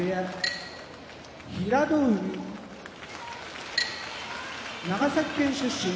平戸海長崎県出身